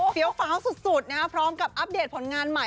ฟ้าวสุดนะครับพร้อมกับอัปเดตผลงานใหม่